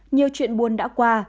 nhiều chuyện buồn đã qua